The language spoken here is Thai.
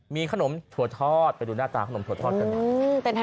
มีขนมถั่วทอดไปดูหน้าตาขนมถั่วทอดกันหน่อย